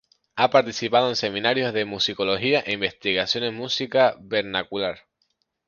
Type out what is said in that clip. Ha participado en seminarios de musicología e investigación en música vernacular.